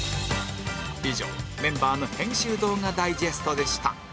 以上メンバーの編集動画ダイジェストでした